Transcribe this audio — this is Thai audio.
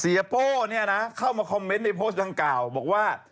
โป้เนี่ยนะเข้ามาคอมเมนต์ในโพสต์ดังกล่าวบอกว่า